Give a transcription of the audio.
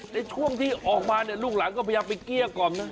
ในช่วงที่ออกมาลูกหลังก็พยายามไปเกี้ยก่อนนะ